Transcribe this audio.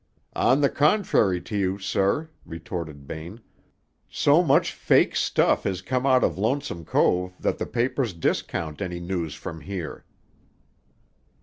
"On the contrary to you, sir," retorted Bain, "so much fake stuff has come out of Lonesome Cove that the papers discount any news from here."